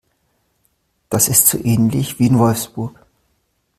Das ist so ähnlich wie in Wolfsburg